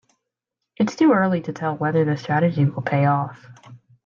It's too early to tell whether the strategy will pay off.